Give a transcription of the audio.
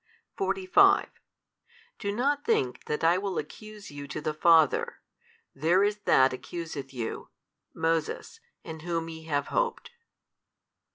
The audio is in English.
45 Do not think that I will accuse you to the Father; there is that accuseth you, Moses, in whom YE have hoped.